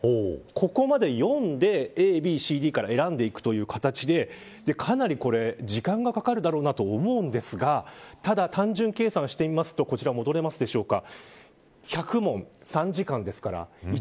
ここまで読んでＡＢＣＤから選んでいくという形でかなり時間がかかるだろうなと思うんですがただ、単純計算をしてみますとこちら戻れますでしょうか。